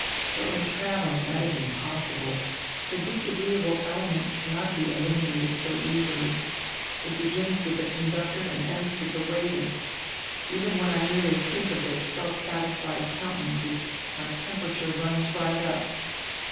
But when traveling that is impossi ble, the disagreeable element cannot be eliminated so easily. It begins with the conductor and ends with the w r aiter. Even when I merely think of their self satisfied counte nances my temperature runs right up.